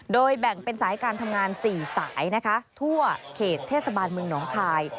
โดยแบ่งเป็นสายการทำงาน๔สายนะคะทั่วเขตเทศบาลเมืองหนองคาย